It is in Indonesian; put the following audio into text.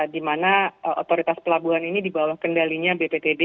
di mana otoritas pelabuhan ini di bawah kendalinya bptb